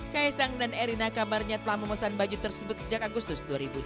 kaisang dan erina kabarnya telah memesan baju tersebut sejak agustus dua ribu dua puluh